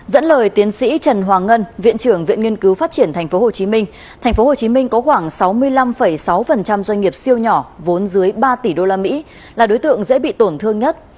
dẫn lời tiến sĩ trần hoàng ngân viện trưởng viện nghiên cứu phát triển tp hcm tp hcm có khoảng sáu mươi năm sáu doanh nghiệp siêu nhỏ vốn dưới ba tỷ usd là đối tượng dễ bị tổn thương nhất